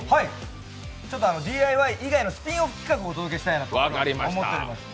ＤＩＹ以外のスピンオフ企画をお届けしたいと思っています。